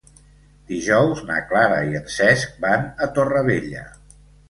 Dijous na Clara i en Cesc van a Torrevella.